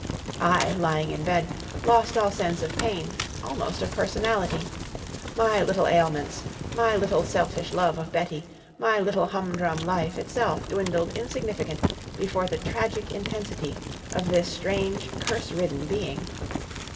I, lying in bed, lost all sense of pain, almost of personality. My little ailments, my little selfish love of Betty, my little humdrum life itself dwindled insignificant before the tragic intensity of this strange, curse ridden being.